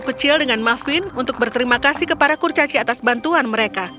kecil dengan mufwin untuk berterima kasih kepada kurcaci atas bantuan mereka